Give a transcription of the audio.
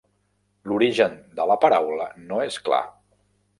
L'origen de la paraula no és clar.